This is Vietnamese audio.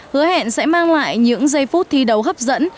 hứa hẹn sẽ mang lại những giây phút thi đấu hấp dẫn